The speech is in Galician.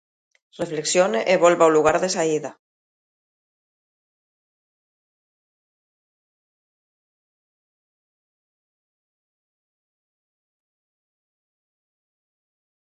Reflexione e volva ao lugar de saída.